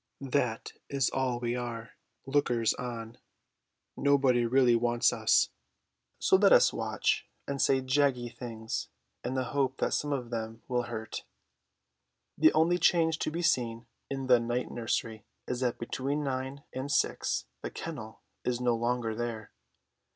That is all we are, lookers on. Nobody really wants us. So let us watch and say jaggy things, in the hope that some of them will hurt. The only change to be seen in the night nursery is that between nine and six the kennel is no longer there.